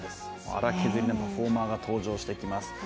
荒削りなパフォーマーが登場してきます。